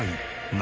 何？